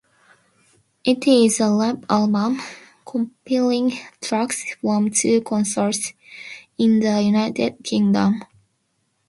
It is a live album, compiling tracks from two concerts in the United Kingdom.